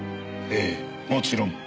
ええもちろん。